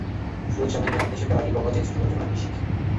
শুনেছি আমি নাকি হাঁটতে শেখার আগেই বাবা চেয়েছেন সাঁতার যেন আগেই শিখি।